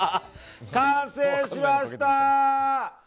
完成しました！